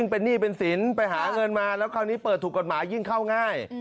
เป็นหนี้เป็นสินไปหาเงินมาแล้วคราวนี้เปิดถูกกฎหมายยิ่งเข้าง่าย